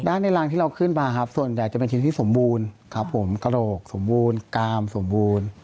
ในรางที่เราขึ้นมาครับส่วนใหญ่จะเป็นชิ้นที่สมบูรณ์ครับผมกระโหลกสมบูรณ์กามสมบูรณ์